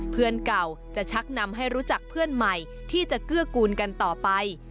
เพื่อนเก่าจะชักนำให้รู้จักเพื่อนใหม่ที่จะเกื้อกูลกันต่อไป